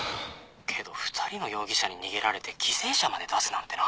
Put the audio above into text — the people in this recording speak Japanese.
けど２人の容疑者に逃げられて犠牲者まで出すなんてな。